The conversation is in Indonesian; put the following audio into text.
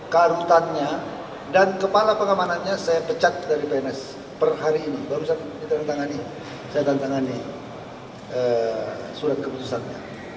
karutannya dan kepala pengamanannya saya pecat dari pns per hari ini baru saya dan tangani surat keputusannya